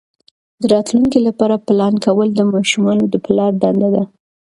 د راتلونکي لپاره پلان کول د ماشومانو د پلار دنده ده.